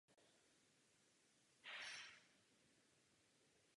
Byl i velmi zručný co se týče manuální práce.